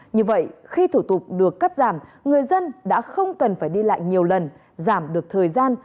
như vậy khi thủ tục được cắt giảm người dân đã không cần phải đi lại nhiều lần giảm được thời gian